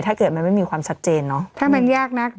ถ้าเกิดมันไม่มีความชัดเจนเนอะถ้ามันยากนัก